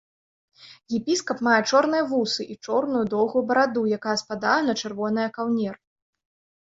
Епіскап мае чорныя вусы і чорную доўгую бараду, якая спадае на чырвонае каўнер.